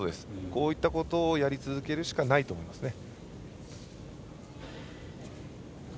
こういったことをやり続けるしかないということですね。